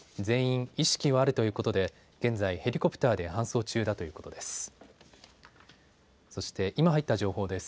全員、意識はあるということで現在、ヘリコプターで搬送中だということです。